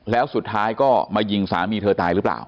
แล้วสุดท้ายก็มายิงสามีเธอตายหรือเปล่า